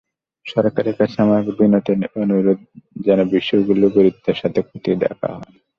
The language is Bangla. সরকারের কাছে আমার বিনীত অনুরোধ বিষয়গুলো যেন গুরুত্বের সঙ্গে খতিয়ে দেখা হয়।